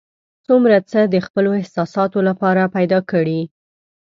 څومره څه د خپلو احساساتو لپاره پیدا کړي.